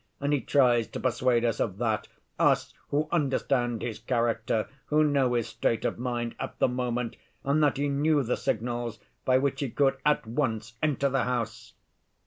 And he tries to persuade us of that, us, who understand his character, who know his state of mind at the moment, and that he knew the signals by which he could at once enter the house."